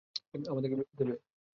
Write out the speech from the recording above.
আমাদেরকে বৃষ্টি দেবে।